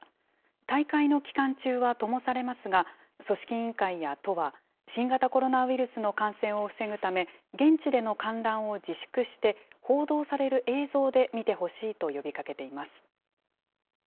大会の期間中はともされますが、組織委員会や都は、新型コロナウイルスの感染を防ぐため、現地での観覧を自粛して、報道される映像で見てほしいと呼びかけています。